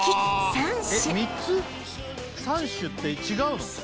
３種って違うの？